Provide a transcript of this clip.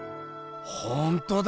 ほんとだ！